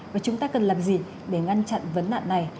và chúng ta cần làm gì để ngăn chặn vấn nạn này